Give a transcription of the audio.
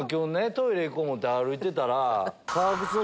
トイレ行こうと思って歩いてたら。